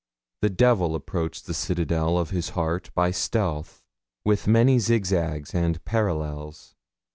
The devil approached the citadel of his heart by stealth, with many zigzags and parallels.